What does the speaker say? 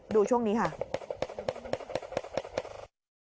ดูช่วงนี้ค่ะ